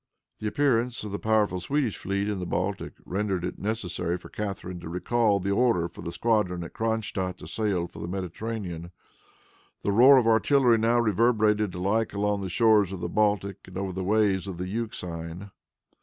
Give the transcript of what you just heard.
The appearance of the powerful Swedish fleet in the Baltic rendered it necessary for Catharine to recall the order for the squadron at Cronstadt to sail for the Mediterranean. The roar of artillery now reverberated alike along the shores of the Baltic and over the waves of the Euxine.